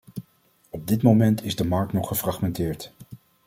Op dit moment is de markt nog gefragmenteerd.